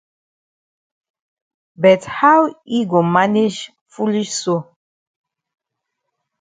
But how yi go manage foolish so?